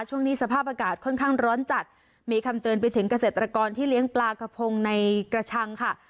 ช่วงนี้สภาพอากาศค่อนข้างร้อนจัดมีคำเตือนไปถึงเกษตรกรที่เลี้ยงปลากระพงในกระชังค่ะ